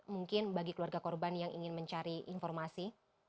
mungkin bagi keluarga korban yang ingin mencari informasi